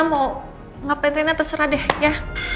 mau ngapain terserah deh ya